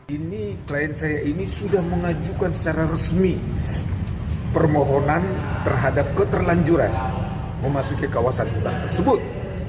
ini klien saya ini sudah mengajukan secara resmi permohonan terhadap keterlanjuran memasuki kawasan hutan tersebut